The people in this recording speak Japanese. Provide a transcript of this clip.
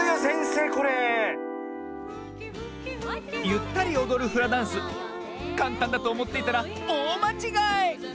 ゆったりおどるフラダンスかんたんだとおもっていたらおおまちがい！